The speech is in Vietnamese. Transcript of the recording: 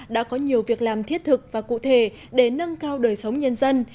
đã có nhiều việc làm thiết thực và cụ thể để nâng cao đời sống nhân dân